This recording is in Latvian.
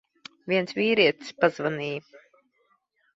Viens vīrietis pazvanīja.